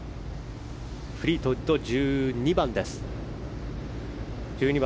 フリートウッド、１２番。